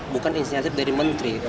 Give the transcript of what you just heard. bukan inisiatif dari menteri